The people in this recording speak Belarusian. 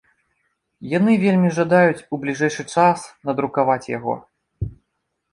Яны вельмі жадаюць у бліжэйшы час надрукаваць яго.